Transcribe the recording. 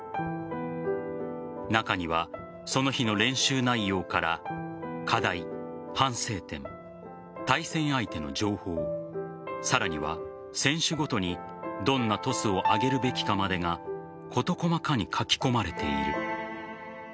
中には、その日の練習内容から課題、反省点、対戦相手の情報さらには選手ごとにどんなトスを上げるべきかまでが事細かに書き込まれている。